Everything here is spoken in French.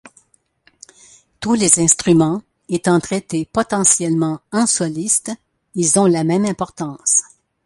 Tous les instruments étant traités potentiellement en solistes, ils ont la même importance.